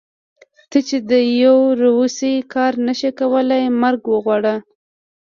ته چې د يو روسي کار نشې کولی مرګ وغواړه.